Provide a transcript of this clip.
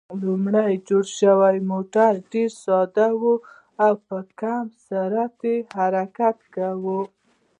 لومړی جوړ شوی موټر ډېر ساده و او په کم سرعت یې حرکت کاوه.